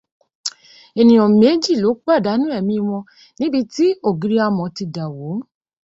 Ènìyàn méjì ló pàdánù ẹ̀mí wọn níbi tí ògiri amọ̀ ti dà wó